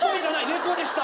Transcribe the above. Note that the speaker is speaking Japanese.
猫でした。